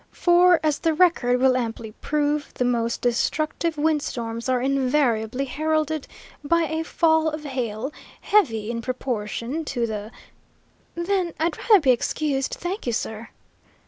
For, as the record will amply prove, the most destructive windstorms are invariably heralded by a fall of hail, heavy in proportion to the " "Then I'd rather be excused, thank you, sir!"